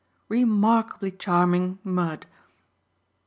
"Remarkably charming mud!"